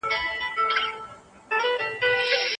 آيا هغه په رښتيا هم له خپلو دوستانو سره مرسته کوي؟